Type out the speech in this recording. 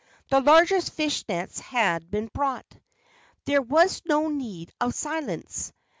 The largest fish nets had been brought. There was no need of silence.